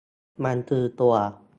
มันคือตัว